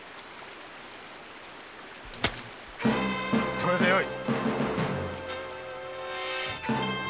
それでよい！